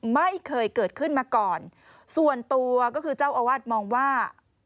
ไม่เคยเกิดขึ้นมาก่อนส่วนตัวก็คือเจ้าอาวาสมองว่า